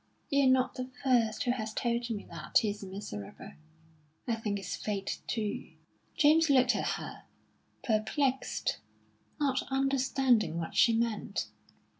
You're not the first who has told me that he is miserable. I think it's fate, too." James looked at her, perplexed, not understanding what she meant.